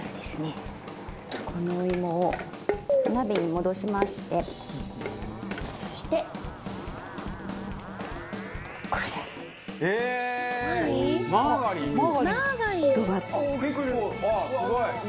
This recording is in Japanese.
すごい！